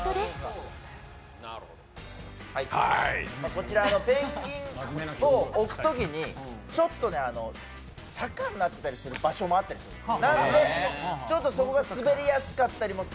こちら、ペンギンを置くときにちょっと坂になってたりする場所もあったりするんです。